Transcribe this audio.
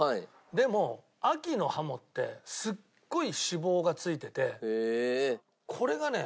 でも秋のハモってすごい脂肪がついててこれがね